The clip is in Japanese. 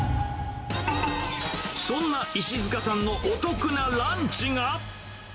そんな石塚さんのお得なランチが。